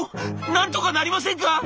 なんとかなりませんか？」。